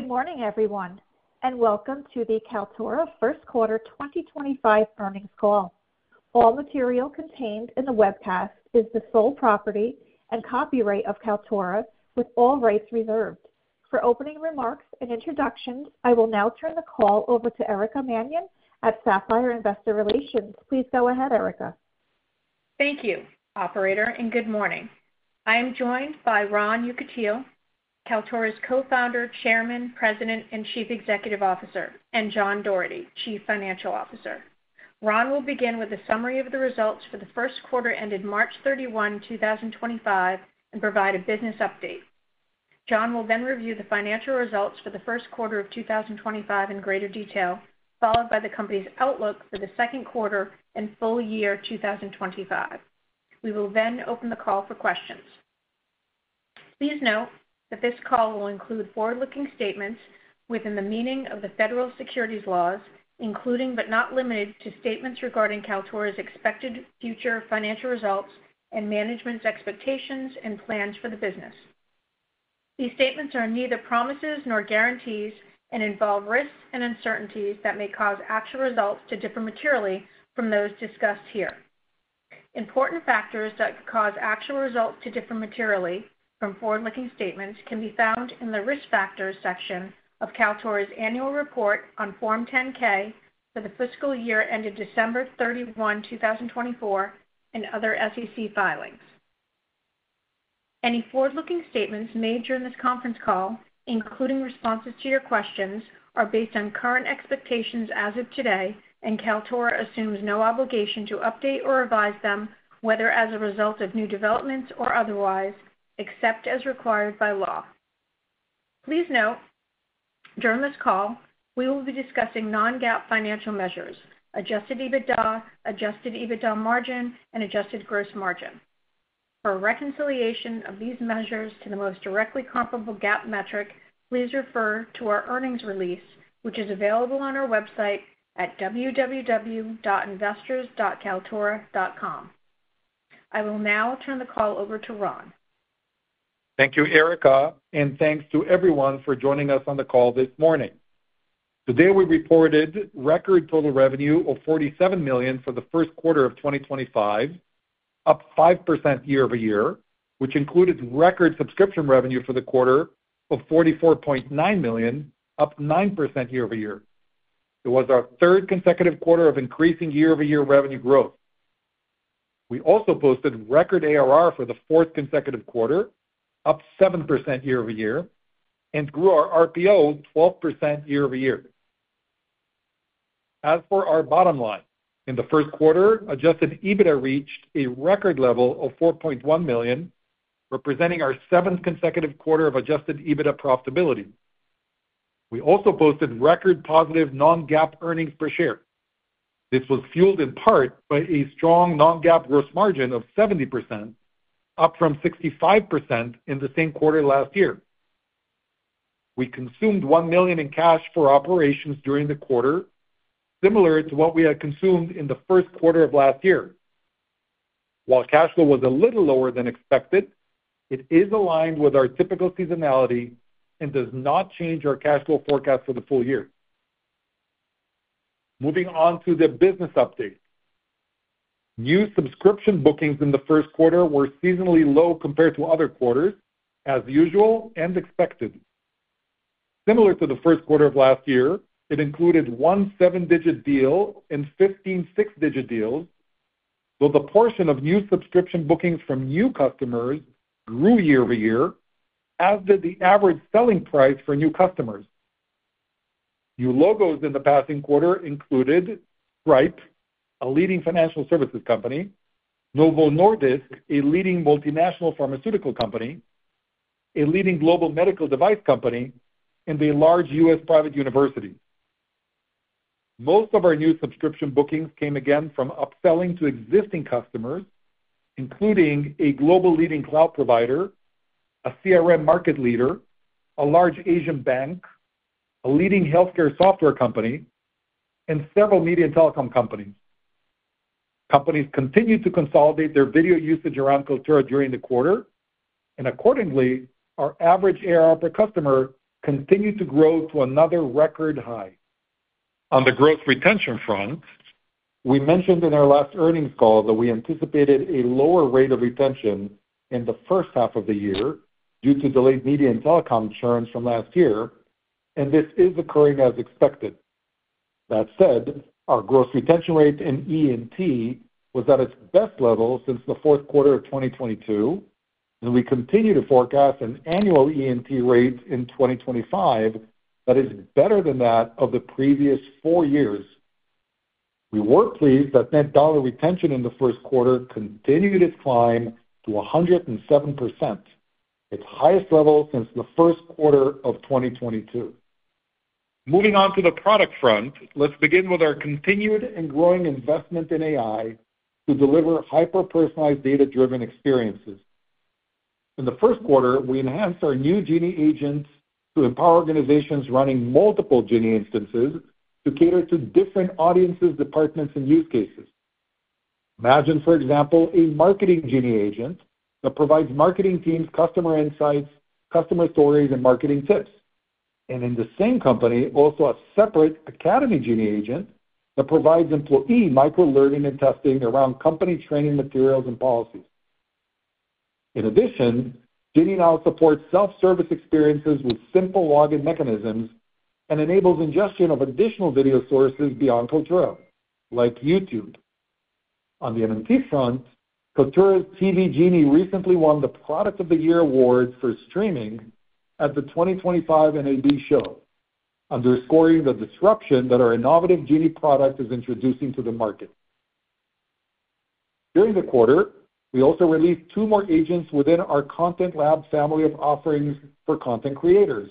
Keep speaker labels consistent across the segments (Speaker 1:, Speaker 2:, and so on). Speaker 1: Good morning, everyone, and welcome to the Kaltura first quarter 2025 earnings call. All material contained in the webcast is the sole property and copyright of Kaltura, with all rights reserved. For opening remarks and introductions, I will now turn the call over to Erica Mannion at Sapphire Investor Relations. Please go ahead, Erica.
Speaker 2: Thank you, Operator, and good morning. I am joined by Ron Yekutiel, Kaltura's Co-Founder, Chairman, President, and Chief Executive Officer, and John Doherty, Chief Financial Officer. Ron will begin with a summary of the results for the first quarter ended March 31, 2025, and provide a business update. John will then review the financial results for the first quarter of 2025 in greater detail, followed by the company's outlook for the second quarter and full year 2025. We will then open the call for questions. Please note that this call will include forward-looking statements within the meaning of the federal securities laws, including but not limited to statements regarding Kaltura's expected future financial results and management's expectations and plans for the business. These statements are neither promises nor guarantees and involve risks and uncertainties that may cause actual results to differ materially from those discussed here. Important factors that cause actual results to differ materially from forward-looking statements can be found in the risk factors section of Kaltura's annual report on Form 10-K for the fiscal year ended December 31, 2024, and other SEC filings. Any forward-looking statements made during this conference call, including responses to your questions, are based on current expectations as of today, and Kaltura assumes no obligation to update or revise them, whether as a result of new developments or otherwise, except as required by law. Please note, during this call, we will be discussing non-GAAP financial measures: adjusted EBITDA, adjusted EBITDA margin, and adjusted gross margin. For reconciliation of these measures to the most directly comparable GAAP metric, please refer to our earnings release, which is available on our website at www.investors.kaltura.com. I will now turn the call over to Ron.
Speaker 3: Thank you, Erica, and thanks to everyone for joining us on the call this morning. Today, we reported record total revenue of $47 million for the first quarter of 2025, up 5% year-over-year, which included record subscription revenue for the quarter of $44.9 million, up 9% year-over-year. It was our third consecutive quarter of increasing year-over-year revenue growth. We also posted record ARR for the fourth consecutive quarter, up 7% year-over-year, and grew our RPO 12% year-over-year. As for our bottom line, in the first quarter, adjusted EBITDA reached a record level of $4.1 million, representing our seventh consecutive quarter of adjusted EBITDA profitability. We also posted record positive non-GAAP earnings per share. This was fueled in part by a strong non-GAAP gross margin of 70%, up from 65% in the same quarter last year. We consumed $1 million in cash for operations during the quarter, similar to what we had consumed in the first quarter of last year. While cash flow was a little lower than expected, it is aligned with our typical seasonality and does not change our cash flow forecast for the full year. Moving on to the business update, new subscription bookings in the first quarter were seasonally low compared to other quarters, as usual and expected. Similar to the first quarter of last year, it included one seven-digit deal and 15 six-digit deals, though the portion of new subscription bookings from new customers grew year-over-year, as did the average selling price for new customers. New logos in the passing quarter included Stripe, a leading financial services company; Novo Nordisk, a leading multinational pharmaceutical company; a leading global medical device company; and a large U.S. private university. Most of our new subscription bookings came again from upselling to existing customers, including a global leading cloud provider, a CRM market leader, a large Asian bank, a leading healthcare software company, and several media and telecom companies. Companies continued to consolidate their video usage around Kaltura during the quarter, and accordingly, our average ARR per customer continued to grow to another record high. On the gross retention front, we mentioned in our last earnings call that we anticipated a lower rate of retention in the first half of the year due to delayed media and telecom churns from last year, and this is occurring as expected. That said, our gross retention rate in E&T was at its best level since the fourth quarter of 2022, and we continue to forecast an annual E&T rate in 2025 that is better than that of the previous four years. We were pleased that net dollar retention in the first quarter continued its climb to 107%, its highest level since the first quarter of 2022. Moving on to the product front, let's begin with our continued and growing investment in AI to deliver hyper-personalized data-driven experiences. In the first quarter, we enhanced our new Genie agents to empower organizations running multiple Genie instances to cater to different audiences, departments, and use cases. Imagine, for example, a marketing Genie agent that provides marketing teams customer insights, customer stories, and marketing tips, and in the same company, also a separate Academy Genie agent that provides employee micro-learning and testing around company training materials and policies. In addition, Genie now supports self-service experiences with simple login mechanisms and enables ingestion of additional video sources beyond Kaltura, like YouTube. On the M&T front, Kaltura's TV Genie recently won the Product of the Year award for streaming at the 2025 NAB Show, underscoring the disruption that our innovative Genie product is introducing to the market. During the quarter, we also released two more agents within our Content Lab family of offerings for content creators: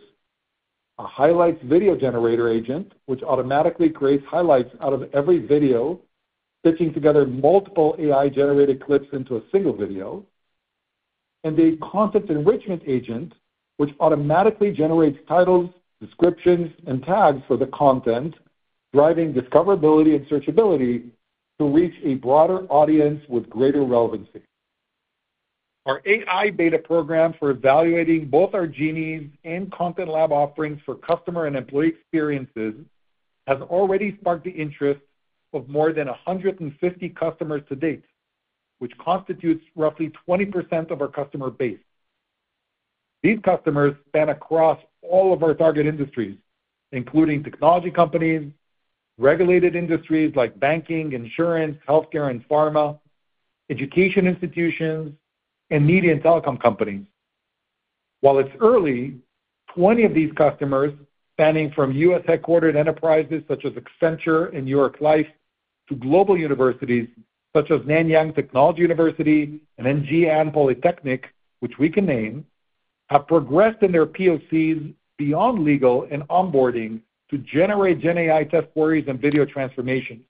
Speaker 3: a highlights video generator agent, which automatically creates highlights out of every video, stitching together multiple AI-generated clips into a single video; and a content enrichment agent, which automatically generates titles, descriptions, and tags for the content, driving discoverability and searchability to reach a broader audience with greater relevancy. Our AI beta program for evaluating both our Genies and Content Lab offerings for customer and employee experiences has already sparked the interest of more than 150 customers to date, which constitutes roughly 20% of our customer base. These customers span across all of our target industries, including technology companies, regulated industries like banking, insurance, healthcare and pharma, education institutions, and media and telecom companies. While it's early, 20 of these customers, spanning from U.S.-headquartered enterprises such as Accenture and New York Life, to global universities such as Nanyang Technological University and Ngee Ann Polytechnic, which we can name, have progressed in their POCs beyond legal and onboarding to generate GenAI test queries and video transformation.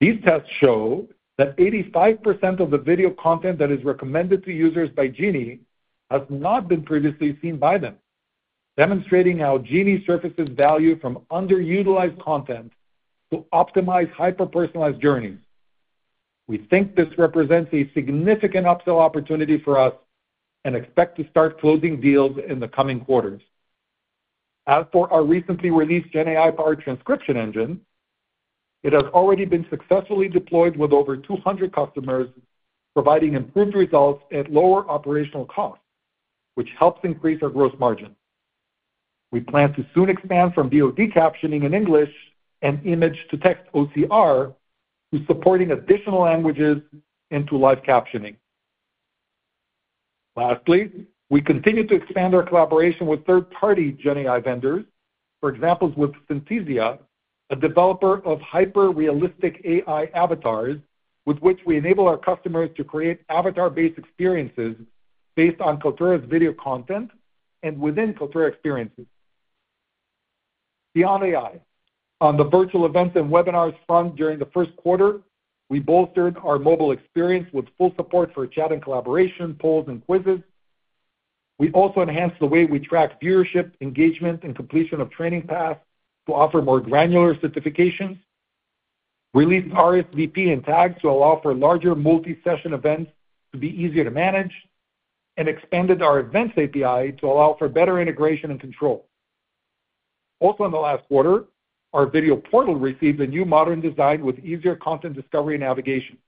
Speaker 3: These tests show that 85% of the video content that is recommended to users by Genie has not been previously seen by them, demonstrating how Genie surfaces value from underutilized content to optimize hyper-personalized journeys. We think this represents a significant upsell opportunity for us and expect to start closing deals in the coming quarters. As for our recently released GenAI powered transcription engine, it has already been successfully deployed with over 200 customers, providing improved results at lower operational costs, which helps increase our gross margin. We plan to soon expand from VOD captioning in English and image-to-text (OCR) to supporting additional languages into live captioning. Lastly, we continue to expand our collaboration with third-party GenAI vendors, for example, with Synthesia, a developer of hyper-realistic AI avatars, with which we enable our customers to create avatar-based experiences based on Kaltura's video content and within Kaltura experiences. Beyond AI, on the virtual events and webinars front during the first quarter, we bolstered our mobile experience with full support for chat and collaboration, polls, and quizzes. We also enhanced the way we track viewership, engagement, and completion of training paths to offer more granular certifications, released RSVP and tags to allow for larger multi-session events to be easier to manage, and expanded our events API to allow for better integration and control. Also, in the last quarter, our video portal received a new modern design with easier content discovery and navigation.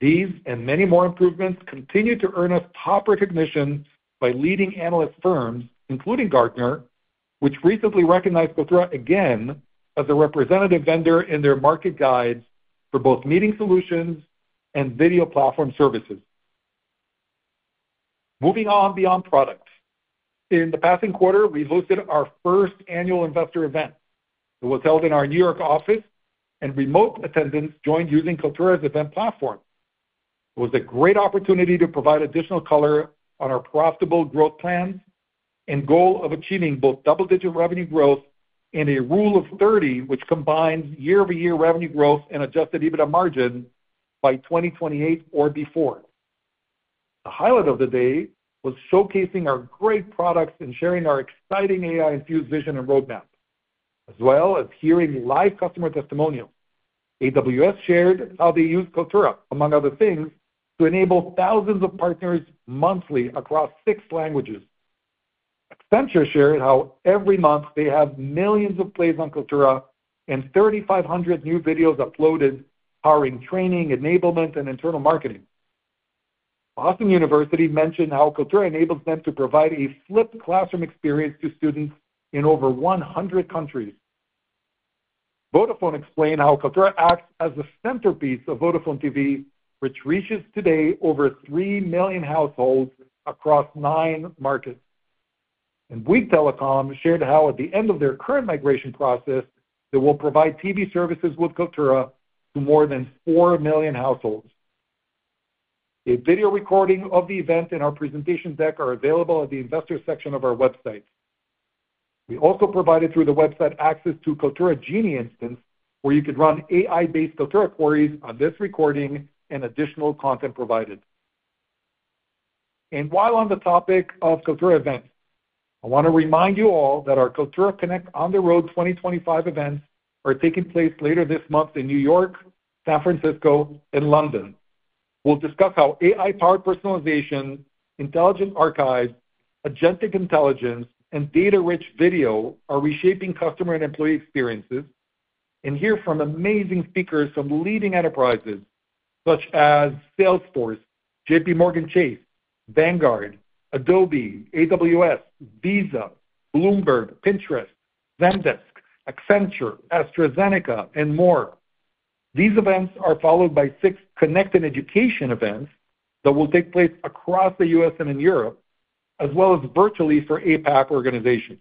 Speaker 3: These and many more improvements continue to earn us top recognition by leading analyst firms, including Gartner, which recently recognized Kaltura again as a representative vendor in their market guides for both meeting solutions and video platform services. Moving on beyond product, in the passing quarter, we hosted our first annual investor event. It was held in our New York office, and remote attendants joined using Kaltura's event platform. It was a great opportunity to provide additional color on our profitable growth plans and goal of achieving both double-digit revenue growth and a rule of 30, which combines year-over-year revenue growth and adjusted EBITDA margin by 2028 or before. The highlight of the day was showcasing our great products and sharing our exciting AI-infused vision and roadmap, as well as hearing live customer testimonials. AWS shared how they use Kaltura, among other things, to enable thousands of partners monthly across six languages. Accenture shared how every month they have millions of plays on Kaltura and 3,500 new videos uploaded, powering training, enablement, and internal marketing. Boston University mentioned how Kaltura enables them to provide a flipped classroom experience to students in over 100 countries. Vodafone explained how Kaltura acts as a centerpiece of Vodafone TV, which reaches today over 3 million households across nine markets. Bouygues Telecom shared how at the end of their current migration process, they will provide TV services with Kaltura to more than 4 million households. A video recording of the event and our presentation deck are available at the investor section of our website. We also provided through the website access to Kaltura Genie instance, where you could run AI-based Kaltura queries on this recording and additional content provided. While on the topic of Kaltura events, I want to remind you all that our Kaltura Connect On the Road 2025 events are taking place later this month in New York, San Francisco, and London. We will discuss how AI-powered personalization, intelligent archives, agentic intelligence, and data-rich video are reshaping customer and employee experiences, and hear from amazing speakers from leading enterprises such as Salesforce, JPMorgan Chase, Vanguard, Adobe, AWS, Visa, Bloomberg, Pinterest, Zendesk, Accenture, AstraZeneca, and more. These events are followed by six connected education events that will take place across the U.S. and in Europe, as well as virtually for APAC organizations.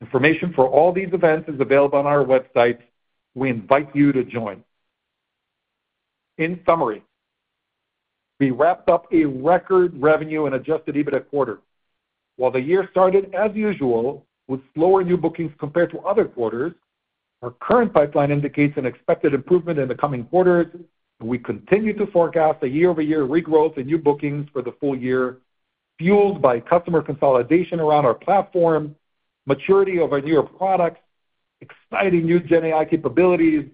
Speaker 3: Information for all these events is available on our website. We invite you to join. In summary, we wrapped up a record revenue and adjusted EBITDA quarter. While the year started, as usual, with slower new bookings compared to other quarters, our current pipeline indicates an expected improvement in the coming quarters, and we continue to forecast a year-over-year regrowth in new bookings for the full year, fueled by customer consolidation around our platform, maturity of our newer products, exciting new GenAI capabilities,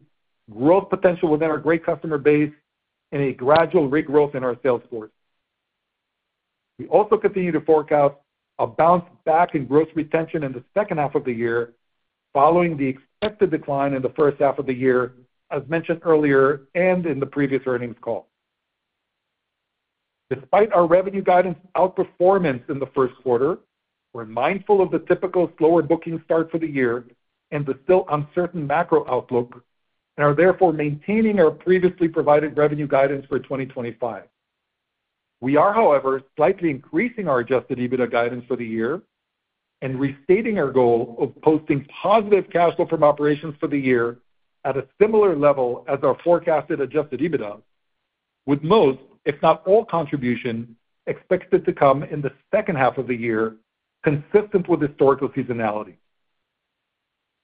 Speaker 3: growth potential within our great customer base, and a gradual regrowth in our Salesforce. We also continue to forecast a bounce back in gross retention in the second half of the year, following the expected decline in the first half of the year, as mentioned earlier and in the previous earnings call. Despite our revenue guidance outperformance in the first quarter, we're mindful of the typical slower booking start for the year and the still uncertain macro outlook, and are therefore maintaining our previously provided revenue guidance for 2025. We are, however, slightly increasing our adjusted EBITDA guidance for the year and restating our goal of posting positive cash flow from operations for the year at a similar level as our forecasted adjusted EBITDA, with most, if not all, contribution expected to come in the second half of the year, consistent with historical seasonality.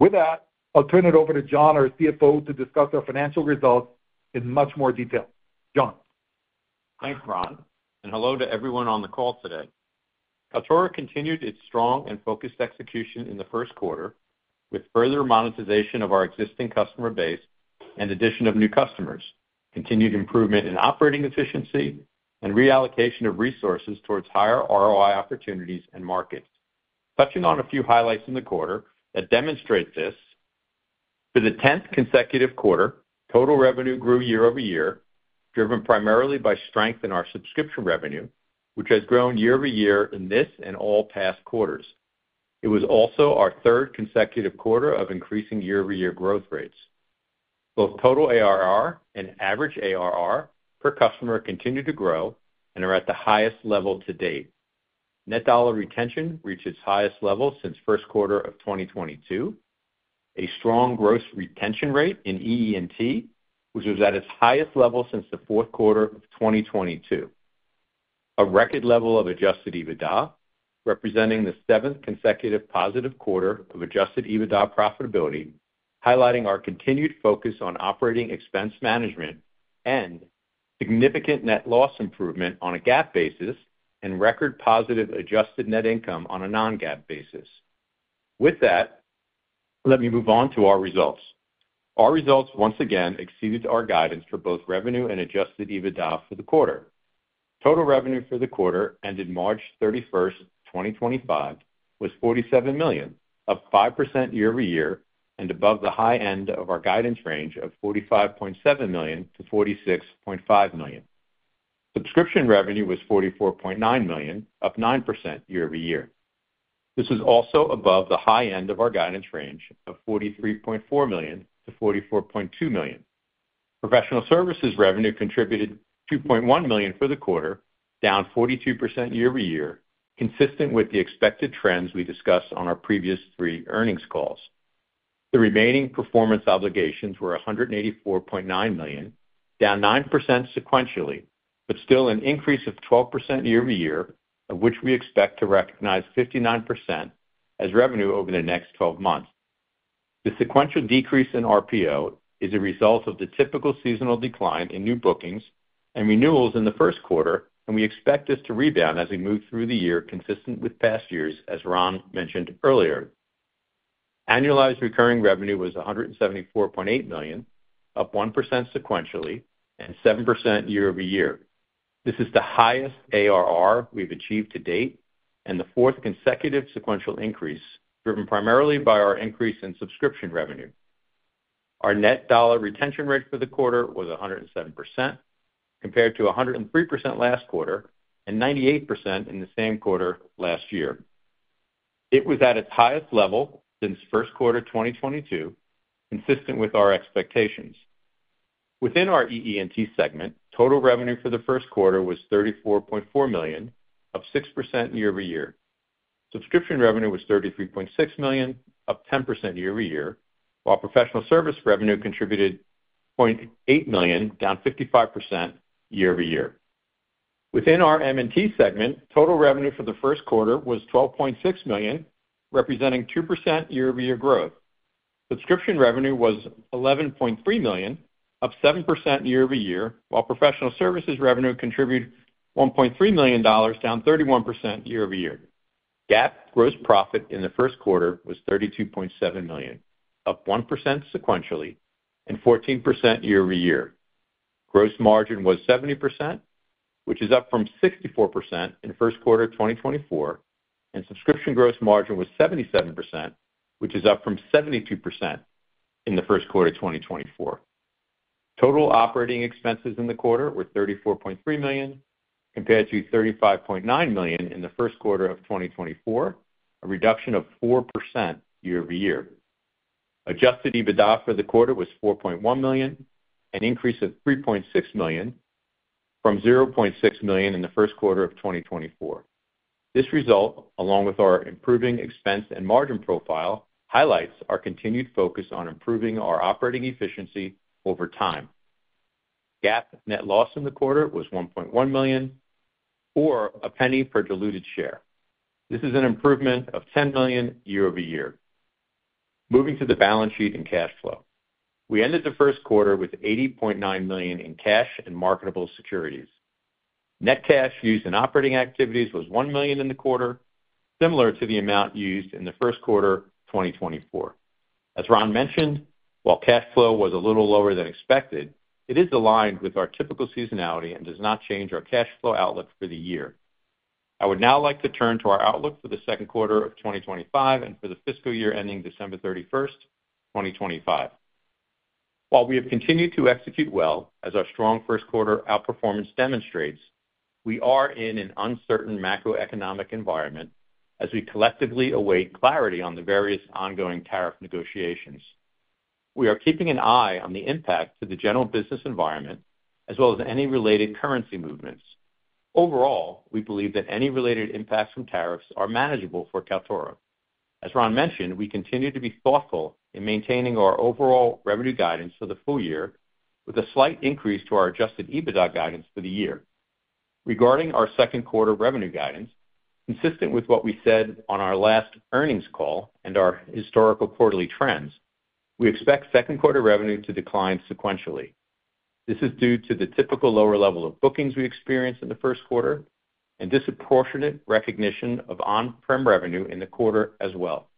Speaker 3: With that, I'll turn it over to John, our CFO, to discuss our financial results in much more detail. John.
Speaker 4: Thanks, Ron, and hello to everyone on the call today. Kaltura continued its strong and focused execution in the first quarter, with further monetization of our existing customer base and addition of new customers, continued improvement in operating efficiency, and reallocation of resources towards higher ROI opportunities and markets. Touching on a few highlights in the quarter that demonstrate this, for the 10th consecutive quarter, total revenue grew year-over-year, driven primarily by strength in our subscription revenue, which has grown year-over-year in this and all past quarters. It was also our third consecutive quarter of increasing year-over-year growth rates. Both total ARR and average ARR per customer continue to grow and are at the highest level to date. Net dollar retention reached its highest level since first quarter of 2022, a strong gross retention rate in EE&T, which was at its highest level since the fourth quarter of 2022. A record level of adjusted EBITDA, representing the seventh consecutive positive quarter of adjusted EBITDA profitability, highlighting our continued focus on operating expense management and significant net loss improvement on a GAAP basis and record positive adjusted net income on a non-GAAP basis. With that, let me move on to our results. Our results, once again, exceeded our guidance for both revenue and adjusted EBITDA for the quarter. Total revenue for the quarter ended March 31, 2025, was $47 million, up 5% year-over-year and above the high end of our guidance range of $45.7 million-$46.5 million. Subscription revenue was $44.9 million, up 9% year-over-year. This was also above the high end of our guidance range of $43.4 million-$44.2 million. Professional services revenue contributed $2.1 million for the quarter, down 42% year-over-year, consistent with the expected trends we discussed on our previous three earnings calls. The remaining performance obligations were $184.9 million, down 9% sequentially, but still an increase of 12% year-over-year, of which we expect to recognize 59% as revenue over the next 12 months. The sequential decrease in RPO is a result of the typical seasonal decline in new bookings and renewals in the first quarter, and we expect this to rebound as we move through the year, consistent with past years, as Ron mentioned earlier. Annualized recurring revenue was $174.8 million, up 1% sequentially and 7% year-over-year. This is the highest ARR we've achieved to date and the fourth consecutive sequential increase, driven primarily by our increase in subscription revenue. Our net dollar retention rate for the quarter was 107%, compared to 103% last quarter and 98% in the same quarter last year. It was at its highest level since first quarter 2022, consistent with our expectations. Within our EE&T segment, total revenue for the first quarter was $34.4 million, up 6% year-over-year. Subscription revenue was $33.6 million, up 10% year-over-year, while professional service revenue contributed $0.8 million, down 55% year-over-year. Within our M&T segment, total revenue for the first quarter was $12.6 million, representing 2% year-over-year growth. Subscription revenue was $11.3 million, up 7% year-over-year, while professional services revenue contributed $1.3 million, down 31% year-over-year. GAAP gross profit in the first quarter was $32.7 million, up 1% sequentially and 14% year-over-year. Gross margin was 70%, which is up from 64% in the first quarter 2024, and subscription gross margin was 77%, which is up from 72% in the first quarter 2024. Total operating expenses in the quarter were $34.3 million, compared to $35.9 million in the first quarter of 2024, a reduction of 4% year-over-year. Adjusted EBITDA for the quarter was $4.1 million, an increase of $3.6 million from $0.6 million in the first quarter of 2024. This result, along with our improving expense and margin profile, highlights our continued focus on improving our operating efficiency over time. GAAP net loss in the quarter was $1.1 million, or a penny per diluted share. This is an improvement of $10 million year-over-year. Moving to the balance sheet and cash flow. We ended the first quarter with $80.9 million in cash and marketable securities. Net cash used in operating activities was $1 million in the quarter, similar to the amount used in the first quarter 2024. As Ron mentioned, while cash flow was a little lower than expected, it is aligned with our typical seasonality and does not change our cash flow outlook for the year. I would now like to turn to our outlook for the second quarter of 2025 and for the fiscal year ending December 31, 2025. While we have continued to execute well, as our strong first quarter outperformance demonstrates, we are in an uncertain macroeconomic environment as we collectively await clarity on the various ongoing tariff negotiations. We are keeping an eye on the impact to the general business environment, as well as any related currency movements. Overall, we believe that any related impacts from tariffs are manageable for Kaltura. As Ron mentioned, we continue to be thoughtful in maintaining our overall revenue guidance for the full year, with a slight increase to our adjusted EBITDA guidance for the year. Regarding our second quarter revenue guidance, consistent with what we said on our last earnings call and our historical quarterly trends, we expect second quarter revenue to decline sequentially. This is due to the typical lower level of bookings we experienced in the first quarter and disproportionate recognition of on-prem revenue in the quarter as well.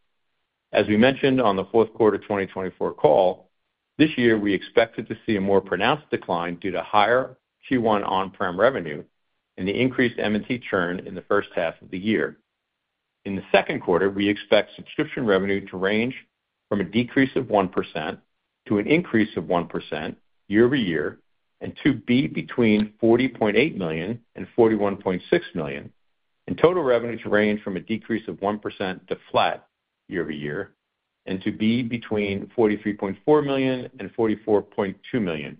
Speaker 4: As we mentioned on the fourth quarter 2024 call, this year we expected to see a more pronounced decline due to higher Q1 on-prem revenue and the increased M&T churn in the first half of the year. In the second quarter, we expect subscription revenue to range from a decrease of 1% to an increase of 1% year-over-year and to be between $40.8 million and $41.6 million, and total revenue to range from a decrease of 1% to flat year-over-year and to be between $43.4 million and $44.2 million.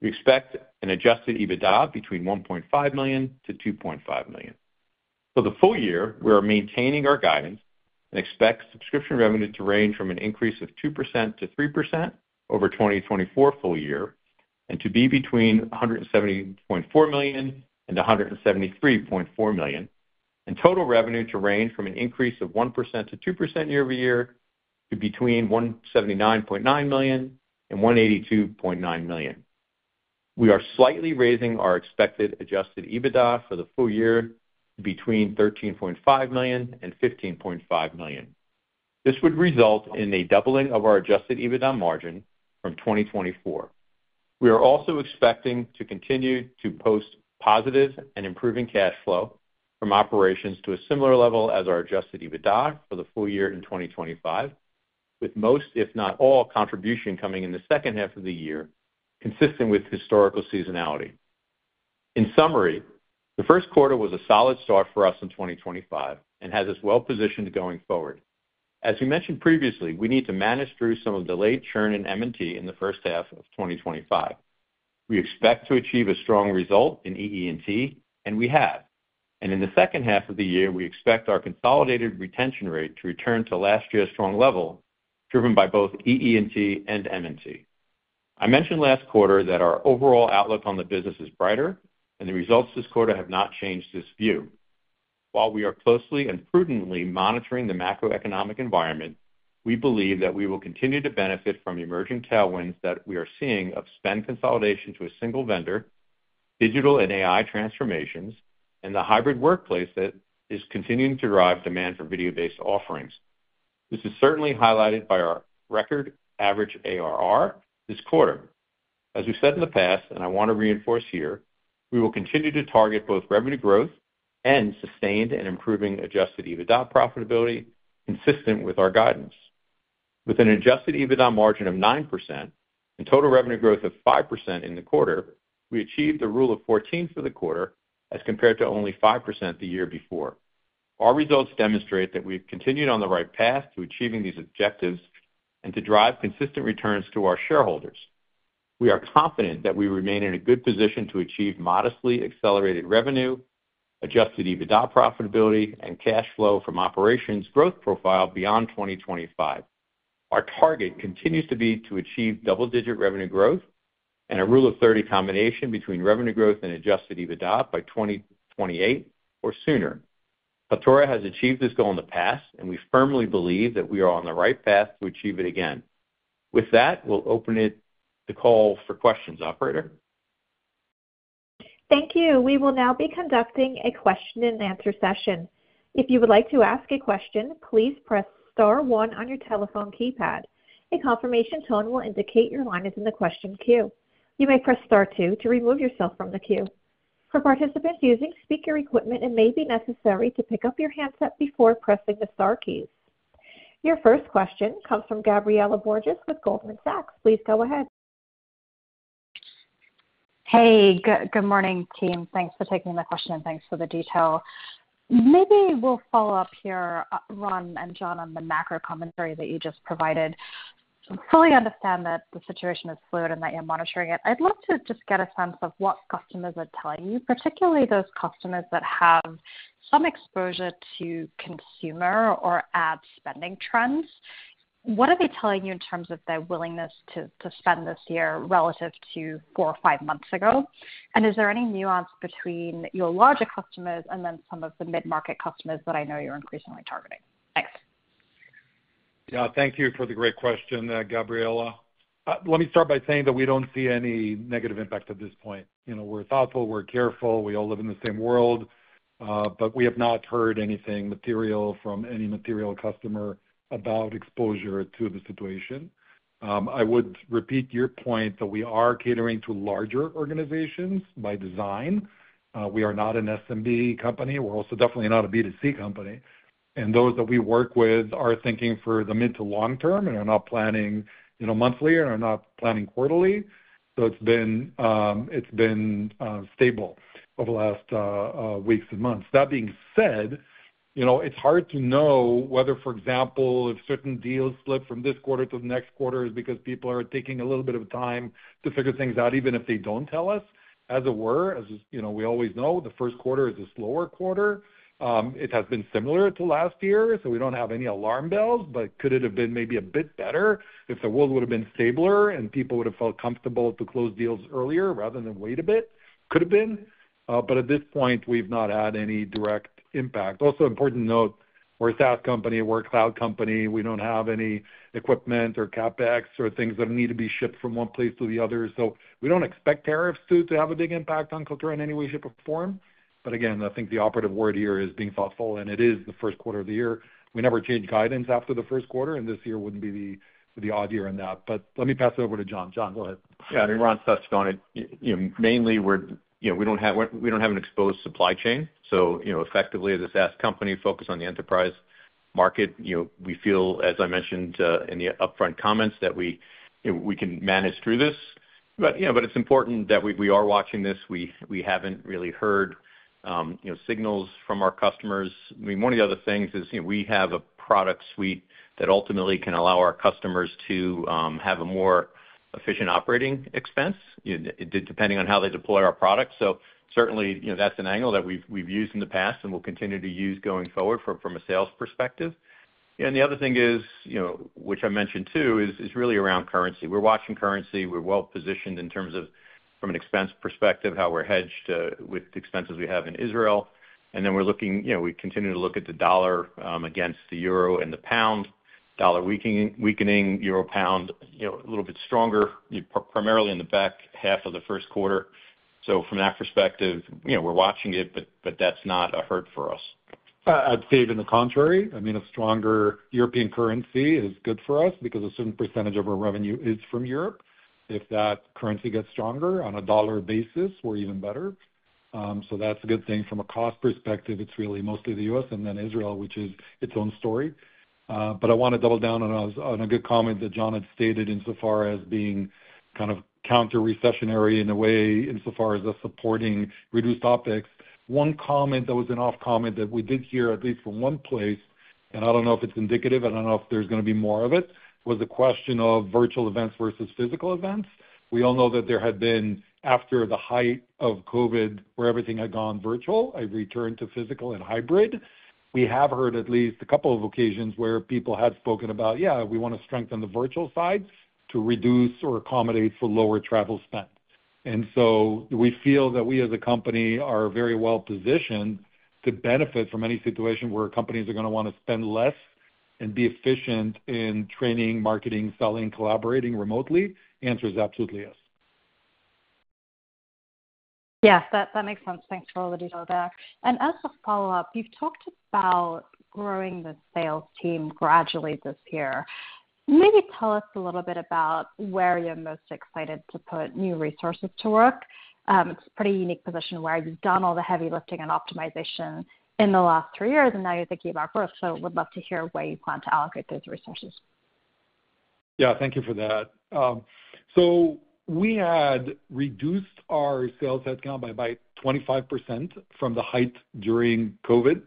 Speaker 4: We expect an adjusted EBITDA between $1.5 million-$2.5 million. For the full year, we are maintaining our guidance and expect subscription revenue to range from an increase of 2% to 3% over 2024 full year and to be between $170.4 million and $173.4 million, and total revenue to range from an increase of 1% to 2% year-over-year to between $179.9 million and $182.9 million. We are slightly raising our expected adjusted EBITDA for the full year to between $13.5 million and $15.5 million. This would result in a doubling of our adjusted EBITDA margin from 2024. We are also expecting to continue to post positive and improving cash flow from operations to a similar level as our adjusted EBITDA for the full year in 2025, with most, if not all, contribution coming in the second half of the year, consistent with historical seasonality. In summary, the first quarter was a solid start for us in 2025 and has us well positioned going forward. As we mentioned previously, we need to manage through some of the delayed churn in M&T in the first half of 2025. We expect to achieve a strong result in EE&T, and we have. In the second half of the year, we expect our consolidated retention rate to return to last year's strong level, driven by both EE&T and M&T. I mentioned last quarter that our overall outlook on the business is brighter, and the results this quarter have not changed this view. While we are closely and prudently monitoring the macroeconomic environment, we believe that we will continue to benefit from emerging tailwinds that we are seeing of spend consolidation to a single vendor, digital and AI transformations, and the hybrid workplace that is continuing to drive demand for video-based offerings. This is certainly highlighted by our record average ARR this quarter. As we've said in the past, and I want to reinforce here, we will continue to target both revenue growth and sustained and improving adjusted EBITDA profitability, consistent with our guidance. With an adjusted EBITDA margin of 9% and total revenue growth of 5% in the quarter, we achieved the rule of 14 for the quarter as compared to only 5% the year before. Our results demonstrate that we've continued on the right path to achieving these objectives and to drive consistent returns to our shareholders. We are confident that we remain in a good position to achieve modestly accelerated revenue, adjusted EBITDA profitability, and cash flow from operations growth profile beyond 2025. Our target continues to be to achieve double-digit revenue growth and a rule of 30 combination between revenue growth and adjusted EBITDA by 2028 or sooner. Kaltura has achieved this goal in the past, and we firmly believe that we are on the right path to achieve it again. With that, we'll open the call for questions, operator.
Speaker 1: Thank you. We will now be conducting a question-and-answer session. If you would like to ask a question, please press star one on your telephone keypad. A confirmation tone will indicate your line is in the question queue. You may press star two to remove yourself from the queue. For participants using speaker equipment, it may be necessary to pick up your handset before pressing the star keys. Your first question comes from Gabriela Borges with Goldman Sachs. Please go ahead.
Speaker 5: Hey, good morning, team. Thanks for taking the question. Thanks for the detail. Maybe we'll follow up here, Ron and John, on the macro commentary that you just provided. I fully understand that the situation is fluid and that you're monitoring it. I'd love to just get a sense of what customers are telling you, particularly those customers that have some exposure to consumer or ad spending trends. What are they telling you in terms of their willingness to spend this year relative to four or five months ago? Is there any nuance between your larger customers and then some of the mid-market customers that I know you're increasingly targeting? Thanks.
Speaker 3: Yeah, thank you for the great question, Gabriela. Let me start by saying that we don't see any negative impact at this point. We're thoughtful, we're careful, we all live in the same world, but we have not heard anything material from any material customer about exposure to the situation. I would repeat your point that we are catering to larger organizations by design. We are not an SMB company. We're also definitely not a B2C company. Those that we work with are thinking for the mid to long term and are not planning monthly and are not planning quarterly. It has been stable over the last weeks and months. That being said, it's hard to know whether, for example, if certain deals slip from this quarter to the next quarter is because people are taking a little bit of time to figure things out, even if they don't tell us, as it were, as we always know, the first quarter is a slower quarter. It has been similar to last year, so we don't have any alarm bells, but could it have been maybe a bit better if the world would have been stabler and people would have felt comfortable to close deals earlier rather than wait a bit? Could have been. At this point, we've not had any direct impact. Also, important to note, we're a SaaS company, we're a cloud company. We don't have any equipment or CapEx or things that need to be shipped from one place to the other. We do not expect tariffs to have a big impact on Kaltura in any way, shape, or form. Again, I think the operative word here is being thoughtful, and it is the first quarter of the year. We never change guidance after the first quarter, and this year would not be the odd year in that. Let me pass it over to John. John, go ahead.
Speaker 4: Yeah, I mean, Ron touched on it. Mainly, we do not have an exposed supply chain. Effectively, as a SaaS company focused on the enterprise market, we feel, as I mentioned in the upfront comments, that we can manage through this. It is important that we are watching this. We have not really heard signals from our customers. I mean, one of the other things is we have a product suite that ultimately can allow our customers to have a more efficient operating expense, depending on how they deploy our product. Certainly, that is an angle that we have used in the past and will continue to use going forward from a sales perspective. The other thing is, which I mentioned too, is really around currency. We are watching currency. We are well positioned in terms of, from an expense perspective, how we are hedged with the expenses we have in Israel. We continue to look at the dollar against the euro and the pound, dollar weakening, euro pound a little bit stronger, primarily in the back half of the first quarter. From that perspective, we are watching it, but that is not a hurt for us.
Speaker 3: I would say, even the contrary. I mean, a stronger European currency is good for us because a certain percentage of our revenue is from Europe. If that currency gets stronger on a dollar basis, we're even better. That is a good thing. From a cost perspective, it's really mostly the U.S. and then Israel, which is its own story. I want to double down on a good comment that John had stated insofar as being kind of counter-recessionary in a way, insofar as supporting reduced OpEx. One comment that was an off-comment that we did hear, at least from one place, and I don't know if it's indicative, and I don't know if there's going to be more of it, was the question of virtual events versus physical events. We all know that there had been, after the height of COVID, where everything had gone virtual, a return to physical and hybrid. We have heard at least a couple of occasions where people had spoken about, "Yeah, we want to strengthen the virtual side to reduce or accommodate for lower travel spend." We feel that we, as a company, are very well positioned to benefit from any situation where companies are going to want to spend less and be efficient in training, marketing, selling, collaborating remotely. The answer is absolutely yes.
Speaker 5: Yes, that makes sense. Thanks for all the detail there. As a follow-up, you've talked about growing the sales team gradually this year. Maybe tell us a little bit about where you're most excited to put new resources to work. It's a pretty unique position where you've done all the heavy lifting and optimization in the last three years, and now you're thinking about growth. We'd love to hear where you plan to allocate those resources.
Speaker 3: Yeah, thank you for that. We had reduced our sales headcount by 25% from the height during COVID.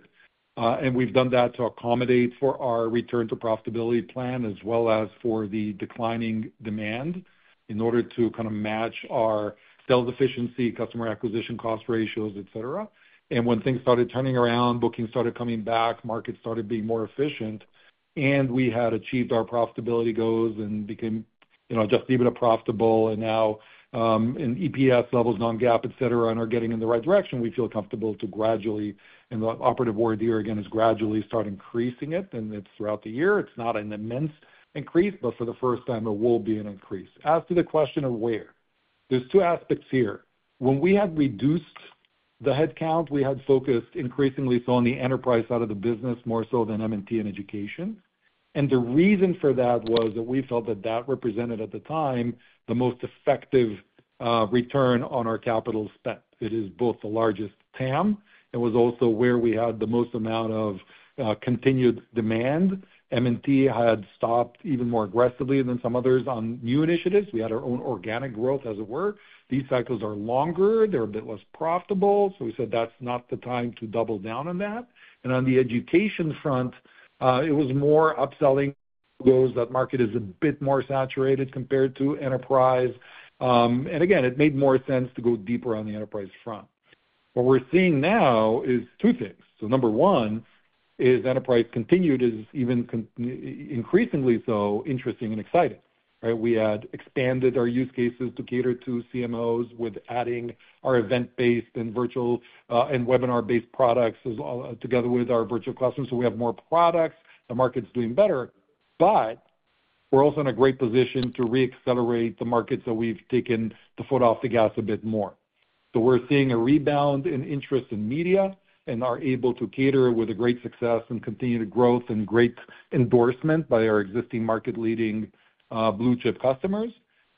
Speaker 3: We have done that to accommodate for our return to profitability plan, as well as for the declining demand, in order to kind of match our sales efficiency, customer acquisition cost ratios, etc. When things started turning around, bookings started coming back, markets started being more efficient, and we had achieved our profitability goals and became just even profitable. Now, in EPS levels, non-GAAP, etc., and are getting in the right direction, we feel comfortable to gradually—and the operative word here again is gradually—start increasing it, and it is throughout the year. It is not an immense increase, but for the first time, it will be an increase. As to the question of where, there are two aspects here. When we had reduced the headcount, we had focused increasingly on the enterprise side of the business, more so than M&T and education. The reason for that was that we felt that that represented, at the time, the most effective return on our capital spent. It is both the largest TAM and was also where we had the most amount of continued demand. M&T had stopped even more aggressively than some others on new initiatives. We had our own organic growth, as it were. These cycles are longer. They're a bit less profitable. We said that's not the time to double down on that. On the education front, it was more upselling those that market is a bit more saturated compared to enterprise. Again, it made more sense to go deeper on the enterprise front. What we're seeing now is two things. Number one is enterprise continued, is even increasingly so interesting and exciting. We had expanded our use cases to cater to CMOs with adding our event-based and virtual and webinar-based products together with our virtual customers. We have more products. The market's doing better. We're also in a great position to re-accelerate the market, so we've taken the foot off the gas a bit more. We're seeing a rebound in interest in media and are able to cater with great success and continued growth and great endorsement by our existing market-leading blue-chip customers.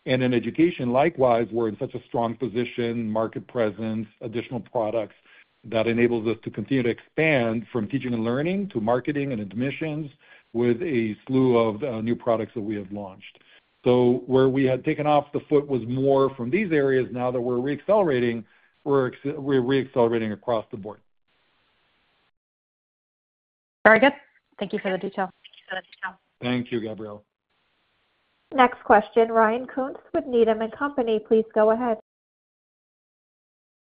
Speaker 3: In education, likewise, we're in such a strong position, market presence, additional products that enables us to continue to expand from teaching and learning to marketing and admissions with a slew of new products that we have launched. Where we had taken off the foot was more from these areas. Now that we're re-accelerating, we're re-accelerating across the board.
Speaker 5: Very good. Thank you for the detail.
Speaker 3: Thank you, Gabriela.
Speaker 1: Next question, Ryan Koontz with Needham & Company. Please go ahead.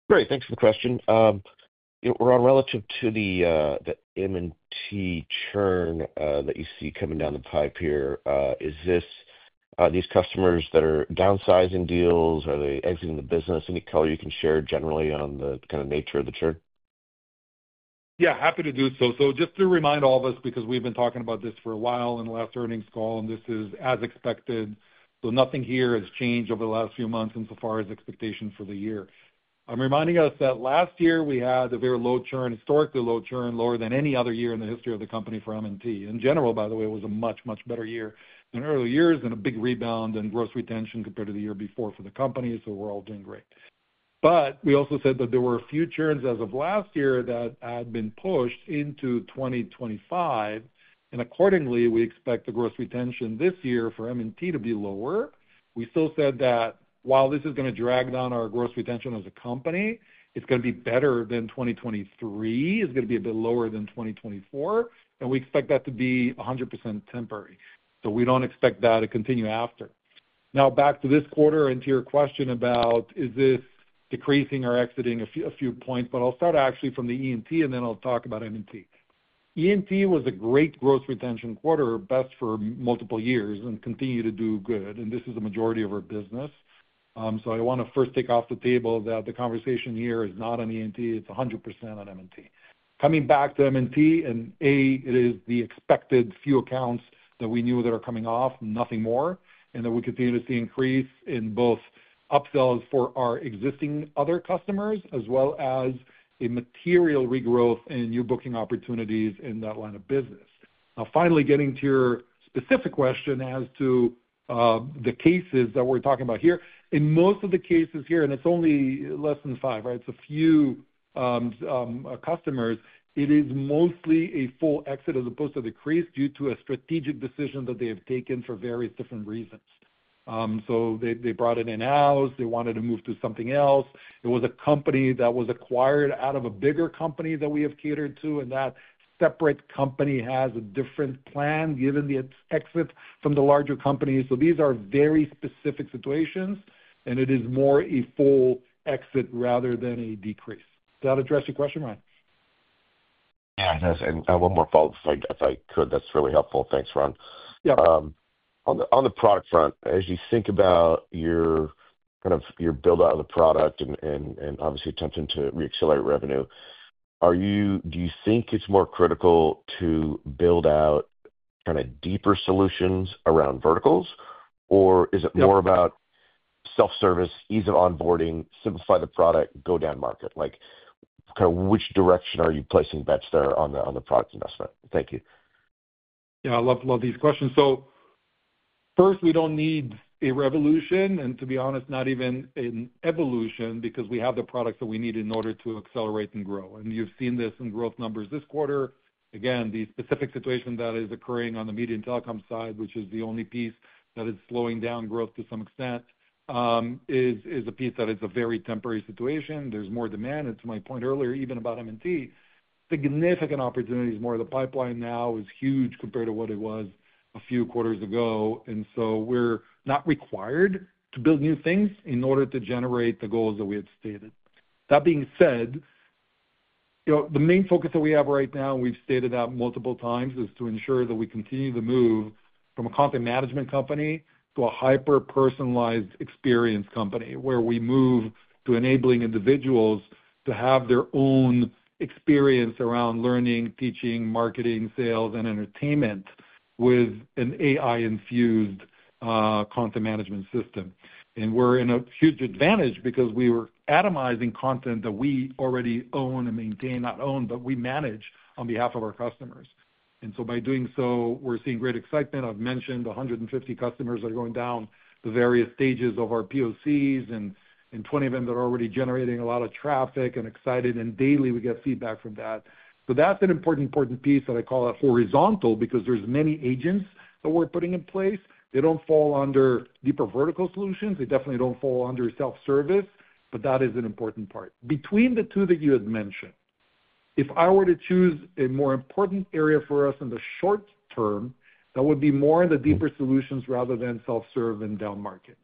Speaker 6: Great. Thanks for the question. Ron, relative to the M&T churn that you see coming down the pipe here. Is this these customers that are downsizing deals? Are they exiting the business? Any color you can share generally on the kind of nature of the churn?
Speaker 3: Yeah, happy to do so. So just to remind all of us, because we've been talking about this for a while in the last earnings call, and this is as expected. So nothing here has changed over the last few months insofar as expectation for the year. I'm reminding us that last year we had a very low churn, historically low churn, lower than any other year in the history of the company for M&T. In general, by the way, it was a much, much better year than early years and a big rebound in gross retention compared to the year before for the company. We're all doing great. We also said that there were a few churns as of last year that had been pushed into 2025. Accordingly, we expect the gross retention this year for M&T to be lower. We still said that while this is going to drag down our gross retention as a company, it's going to be better than 2023. It's going to be a bit lower than 2024. We expect that to be 100% temporary. We don't expect that to continue after. Now, back to this quarter and to your question about is this decreasing or exiting a few points, but I'll start actually from the E&T, and then I'll talk about M&T. E&T was a great gross retention quarter, best for multiple years, and continued to do good. And this is the majority of our business. I want to first take off the table that the conversation here is not on E&T. It's 100% on M&T. Coming back to M&T, and A, it is the expected few accounts that we knew that are coming off, nothing more, and that we continue to see increase in both upsells for our existing other customers as well as a material regrowth and new booking opportunities in that line of business. Now, finally, getting to your specific question as to the cases that we're talking about here, in most of the cases here, and it's only less than five, right? It's a few customers. It is mostly a full exit as opposed to decrease due to a strategic decision that they have taken for various different reasons. They brought it in-house. They wanted to move to something else. It was a company that was acquired out of a bigger company that we have catered to, and that separate company has a different plan given the exit from the larger company. These are very specific situations, and it is more a full exit rather than a decrease. Does that address your question, Ryan?
Speaker 6: Yeah, one more follow-up, if I could. That's really helpful. Thanks, Ron. On the product front, as you think about kind of your build-out of the product and obviously attempting to re-accelerate revenue, do you think it's more critical to build out kind of deeper solutions around verticals, or is it more about self-service, ease of onboarding, simplify the product, go down market? Kind of which direction are you placing bets there on the product investment? Thank you.
Speaker 3: Yeah, I love these questions. First, we don't need a revolution, and to be honest, not even an evolution, because we have the products that we need in order to accelerate and grow. You've seen this in growth numbers this quarter. Again, the specific situation that is occurring on the media and telecom side, which is the only piece that is slowing down growth to some extent, is a piece that is a very temporary situation. There's more demand. To my point earlier, even about M&T, significant opportunities, more of the pipeline now is huge compared to what it was a few quarters ago. We are not required to build new things in order to generate the goals that we had stated. That being said, the main focus that we have right now, we've stated that multiple times, is to ensure that we continue to move from a content management company to a hyper-personalized experience company, where we move to enabling individuals to have their own experience around learning, teaching, marketing, sales, and entertainment with an AI-infused content management system. We are in a huge advantage because we were atomizing content that we already own and maintain, not own, but we manage on behalf of our customers. By doing so, we are seeing great excitement. I've mentioned 150 customers that are going down the various stages of our POCs, and 20 of them that are already generating a lot of traffic and excited. Daily, we get feedback from that. That is an important piece that I call horizontal, because there are many agents that we're putting in place. They do not fall under deeper vertical solutions. They definitely do not fall under self-service, but that is an important part. Between the two that you had mentioned, if I were to choose a more important area for us in the short term, that would be more in the deeper solutions rather than self-serve and down market.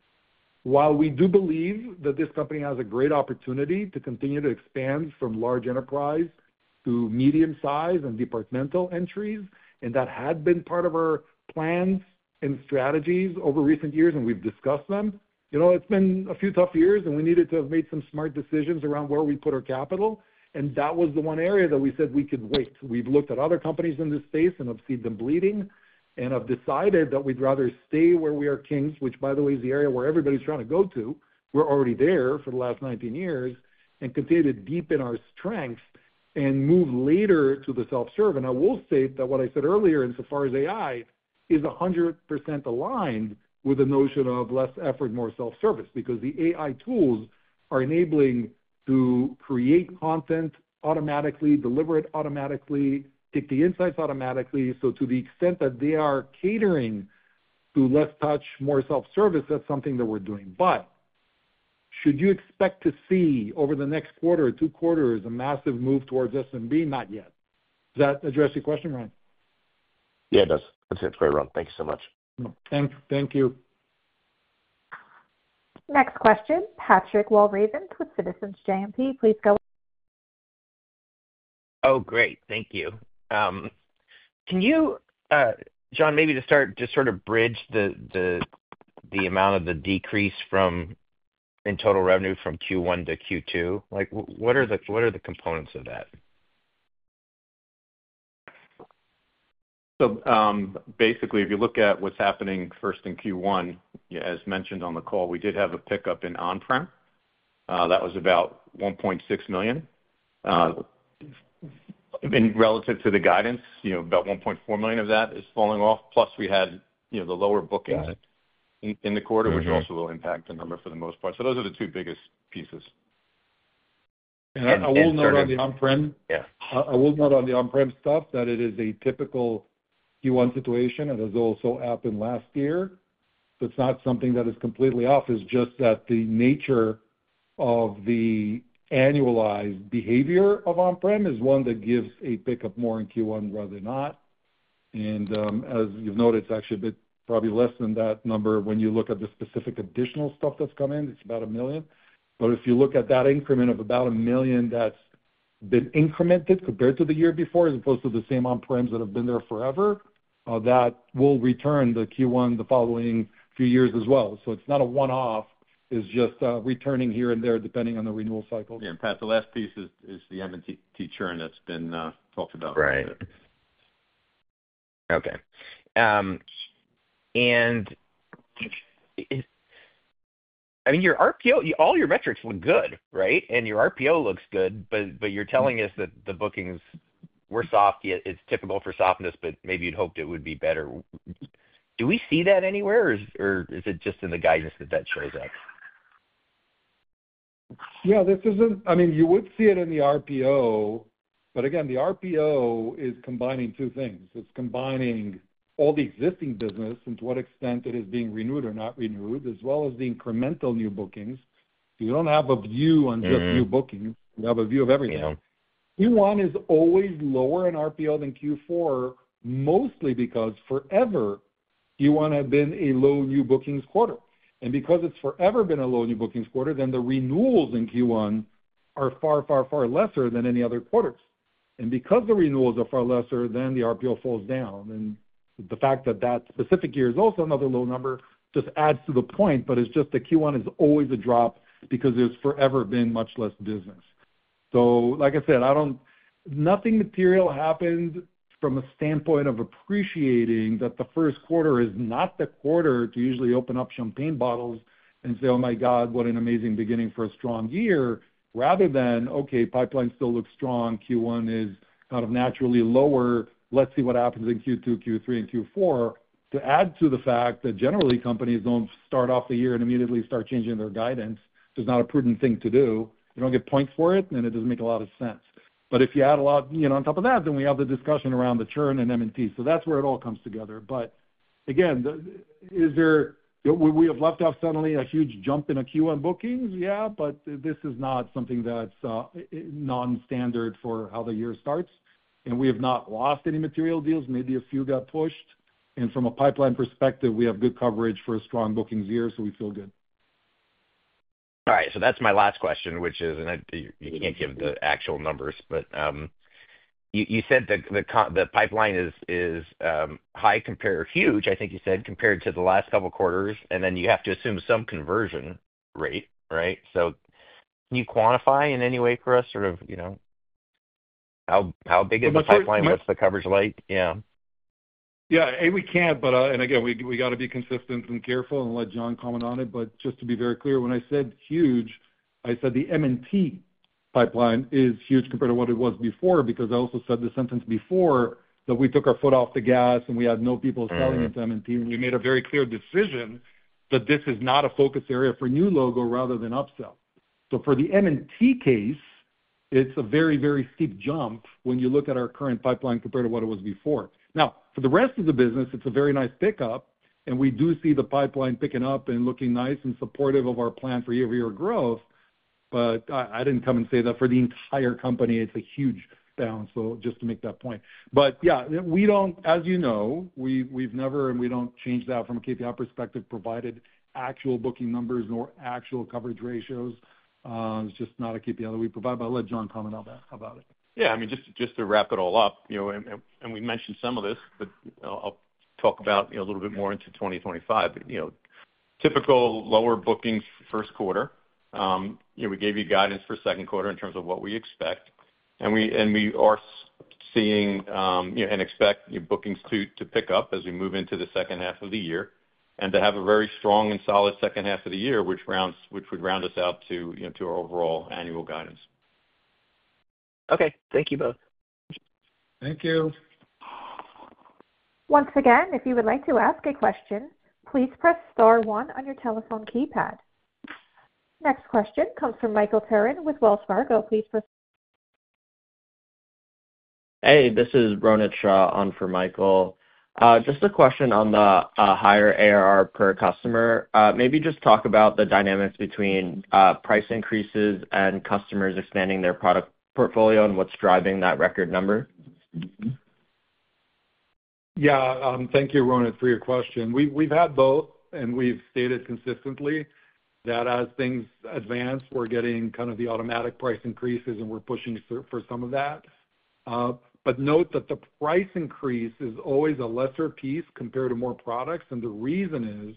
Speaker 3: While we do believe that this company has a great opportunity to continue to expand from large enterprise to medium-sized and departmental entries, and that had been part of our plans and strategies over recent years, and we've discussed them, it's been a few tough years, and we needed to have made some smart decisions around where we put our capital. That was the one area that we said we could wait. We've looked at other companies in this space and have seen them bleeding, and have decided that we'd rather stay where we are kings, which, by the way, is the area where everybody's trying to go to. We're already there for the last 19 years and continue to deepen our strength and move later to the self-serve. I will state that what I said earlier insofar as AI is 100% aligned with the notion of less effort, more self-service, because the AI tools are enabling to create content automatically, deliver it automatically, take the insights automatically. To the extent that they are catering to less touch, more self-service, that's something that we're doing. Should you expect to see over the next quarter or two quarters a massive move towards S&B? Not yet. Does that address your question, Ryan?
Speaker 6: Yeah, it does. That's it for everyone. Thank you so much.
Speaker 3: Thank you.
Speaker 1: Next question, Patrick Walravens with Citizens JMP. Please go.
Speaker 7: Oh, great. Thank you. John, maybe to start, just sort of bridge the amount of the decrease in total revenue from Q1 to Q2, what are the components of that?
Speaker 4: Basically, if you look at what's happening first in Q1, as mentioned on the call, we did have a pickup in on-prem. That was about $1.6 million. And relative to the guidance, about $1.4 million of that is falling off. Plus, we had the lower bookings in the quarter, which also will impact the number for the most part. Those are the two biggest pieces.
Speaker 3: I will note on the on-prem, I will note on the on-prem stuff that it is a typical Q1 situation, and it has also happened last year. It is not something that is completely off. It is just that the nature of the annualized behavior of on-prem is one that gives a pickup more in Q1 rather than not. As you've noted, it is actually probably less than that number when you look at the specific additional stuff that's come in. It's about a million. But if you look at that increment of about a million that's been incremented compared to the year before, as opposed to the same on-prems that have been there forever, that will return to Q1 the following few years as well. It's not a one-off. It's just returning here and there depending on the renewal cycle.
Speaker 4: Yeah. In fact, the last piece is the M&T churn that's been talked about.
Speaker 7: Right. Okay. I mean, all your metrics look good, right? And your RPO looks good, but you're telling us that the bookings were soft. It's typical for softness, but maybe you'd hoped it would be better. Do we see that anywhere, or is it just in the guidance that that shows up?
Speaker 3: Yeah. I mean, you would see it in the RPO, but again, the RPO is combining two things. It's combining all the existing business and to what extent it is being renewed or not renewed, as well as the incremental new bookings. You don't have a view on just new bookings. You have a view of everything. Q1 is always lower in RPO than Q4, mostly because forever Q1 had been a low new bookings quarter. Because it's forever been a low new bookings quarter, the renewals in Q1 are far, far, far lesser than any other quarters. Because the renewals are far lesser, the RPO falls down. The fact that that specific year is also another low number just adds to the point, but it's just that Q1 is always a drop because it's forever been much less business. Like I said, nothing material happened from a standpoint of appreciating that the first quarter is not the quarter to usually open up champagne bottles and say, "Oh my God, what an amazing beginning for a strong year," rather than, "Okay, pipeline still looks strong. Q1 is kind of naturally lower. Let's see what happens in Q2, Q3, and Q4." To add to the fact that generally companies do not start off the year and immediately start changing their guidance, it is not a prudent thing to do. You do not get points for it, and it does not make a lot of sense. If you add a lot on top of that, then we have the discussion around the churn and M&T. That is where it all comes together. Again, we have left off suddenly a huge jump in Q1 bookings, yeah, but this is not something that's non-standard for how the year starts. We have not lost any material deals. Maybe a few got pushed. From a pipeline perspective, we have good coverage for a strong bookings year, so we feel good.
Speaker 7: All right. That's my last question, which is, and you can't give the actual numbers, but you said the pipeline is high compared to huge, I think you said, compared to the last couple of quarters, and then you have to assume some conversion rate, right? Can you quantify in any way for us sort of how big is the pipeline? What's the coverage like? Yeah.
Speaker 3: Yeah. We can, but again, we got to be consistent and careful and let John comment on it. Just to be very clear, when I said huge, I said the M&T pipeline is huge compared to what it was before because I also said the sentence before that we took our foot off the gas and we had no people selling into M&T, and we made a very clear decision that this is not a focus area for new logo rather than upsell. For the M&T case, it's a very, very steep jump when you look at our current pipeline compared to what it was before. Now, for the rest of the business, it's a very nice pickup, and we do see the pipeline picking up and looking nice and supportive of our plan for year-over-year growth, but I didn't come and say that for the entire company. It's a huge bounce, just to make that point. Yeah, as you know, we've never and we don't change that from a KPI perspective, provided actual booking numbers or actual coverage ratios. It's just not a KPI that we provide, but I'll let John comment on that.
Speaker 4: Yeah. I mean, just to wrap it all up, and we mentioned some of this, but I'll talk about a little bit more into 2025. Typical lower bookings first quarter. We gave you guidance for second quarter in terms of what we expect, and we are seeing and expect bookings to pick up as we move into the second half of the year and to have a very strong and solid second half of the year, which would round us out to our overall annual guidance.
Speaker 7: Okay. Thank you both.
Speaker 3: Thank you.
Speaker 1: Once again, if you would like to ask a question, please press star one on your telephone keypad. Next question comes from Michael Turrin with Wells Fargo. Please press.
Speaker 8: Hey, this is Ronit Shah on for Michael. Just a question on the higher ARR per customer. Maybe just talk about the dynamics between price increases and customers expanding their product portfolio and what's driving that record number.
Speaker 3: Yeah. Thank you, Ronit, for your question. We've had both, and we've stated consistently that as things advance, we're getting kind of the automatic price increases, and we're pushing for some of that. Note that the price increase is always a lesser piece compared to more products, and the reason is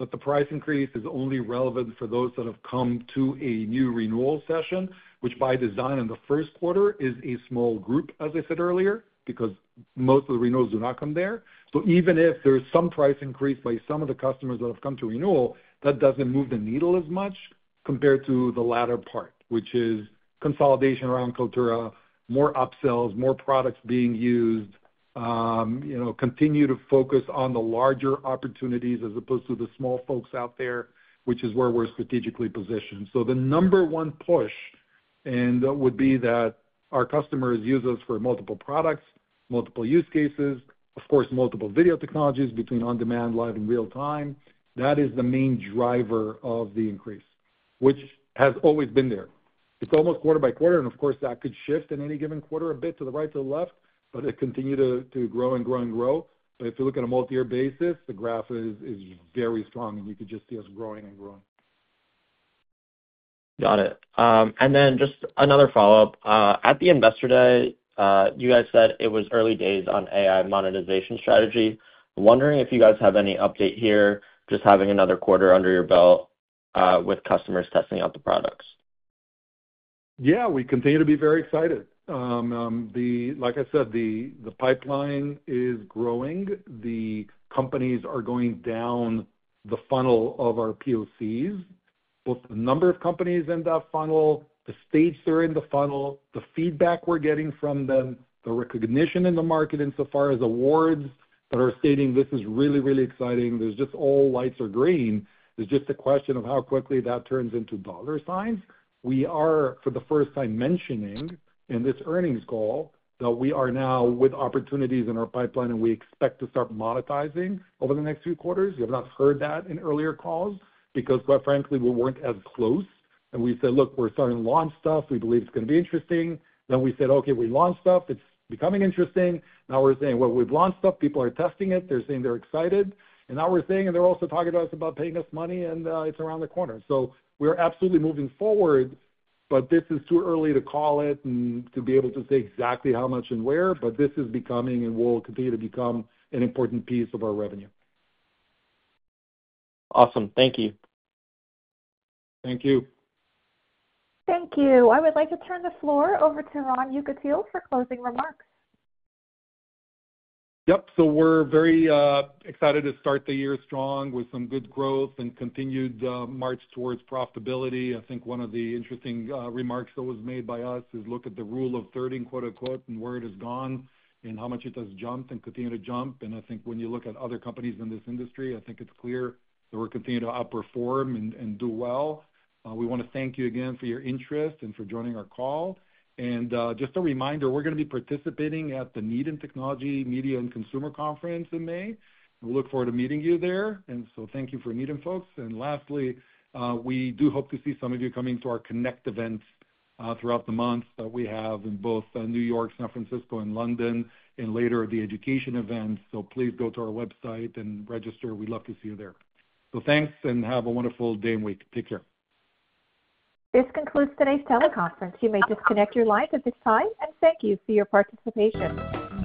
Speaker 3: that the price increase is only relevant for those that have come to a new renewal session, which by design in the first quarter is a small group, as I said earlier, because most of the renewals do not come there. Even if there's some price increase by some of the customers that have come to renewal, that doesn't move the needle as much compared to the latter part, which is consolidation around Kaltura, more upsells, more products being used, continue to focus on the larger opportunities as opposed to the small folks out there, which is where we're strategically positioned. The number one push, and that would be that our customers use us for multiple products, multiple use cases, of course, multiple video technologies between on-demand, live, and real-time. That is the main driver of the increase, which has always been there. It's almost quarter by quarter, and of course, that could shift in any given quarter a bit to the right, to the left, but it continued to grow and grow and grow. If you look at a multi-year basis, the graph is very strong, and you could just see us growing and growing.
Speaker 8: Got it. Just another follow-up. At the investor day, you guys said it was early days on AI monetization strategy. Wondering if you guys have any update here, just having another quarter under your belt with customers testing out the products.
Speaker 3: Yeah. We continue to be very excited. Like I said, the pipeline is growing. The companies are going down the funnel of our POCs, both the number of companies in that funnel, the stage they're in the funnel, the feedback we're getting from them, the recognition in the market insofar as awards that are stating, "This is really, really exciting." All lights are green. It's just a question of how quickly that turns into dollar signs. We are, for the first time, mentioning in this earnings call that we are now with opportunities in our pipeline, and we expect to start monetizing over the next few quarters. You have not heard that in earlier calls because, quite frankly, we were not as close. We said, "Look, we are starting to launch stuff. We believe it is going to be interesting." We said, "Okay, we launched stuff. It is becoming interesting." Now we are saying, "We have launched stuff. People are testing it. They are saying they are excited." Now we are saying they are also talking to us about paying us money, and it is around the corner. We are absolutely moving forward, but this is too early to call it and to be able to say exactly how much and where, but this is becoming and will continue to become an important piece of our revenue.
Speaker 8: Awesome. Thank you.
Speaker 3: Thank you.
Speaker 1: Thank you. I would like to turn the floor over to Ron Yekutiel for closing remarks.
Speaker 3: Yep. So we're very excited to start the year strong with some good growth and continued march towards profitability. I think one of the interesting remarks that was made by us is, "Look at the rule of thirding," and where it has gone and how much it has jumped and continued to jump. I think when you look at other companies in this industry, I think it's clear that we're continuing to outperform and do well. We want to thank you again for your interest and for joining our call. Just a reminder, we're going to be participating at the Needham Technology Media and Consumer Conference in May. We look forward to meeting you there. Thank you for Needham, folks. Lastly, we do hope to see some of you coming to our connect events throughout the month that we have in both New York, San Francisco, and London, and later at the education events. Please go to our website and register. We'd love to see you there. Thanks and have a wonderful day and week. Take care.
Speaker 1: This concludes today's teleconference. You may disconnect your line at this time, and thank you for your participation.